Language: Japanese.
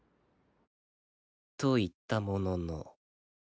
と言ったものの